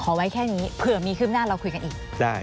ไว้แค่นี้เผื่อมีคืบหน้าเราคุยกันอีก